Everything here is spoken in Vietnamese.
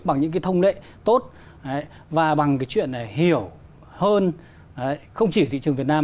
bằng những thông lệ tốt và bằng chuyện hiểu hơn không chỉ thị trường việt nam